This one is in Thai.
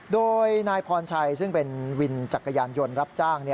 โดยนายพรชัยซึ่งเป็นวินจักรยานยนต์รับจ้าง